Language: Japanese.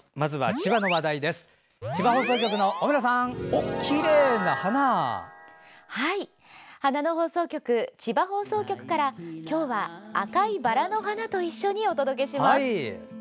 千葉放送局から今日は赤いバラの花と一緒にお届けします。